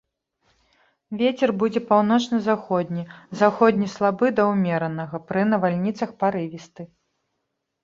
Вецер будзе паўночна-заходні, заходні слабы да ўмеранага, пры навальніцах парывісты.